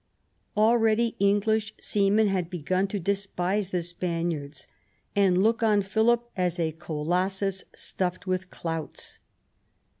Already English seamen had begun to despise the Spaniards and look on Philip as " a colossus stuffed with clouts